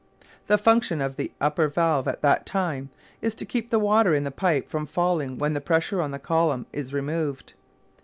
The function of the upper valve, at that time, is to keep the water in the pipe from falling when the pressure on the column is removed.